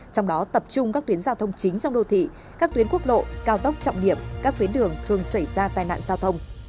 trong đó tập trung các tuyến giao thông chính trong đô thị các tuyến quốc lộ cao tốc trọng điểm các tuyến đường thường xảy ra tai nạn giao thông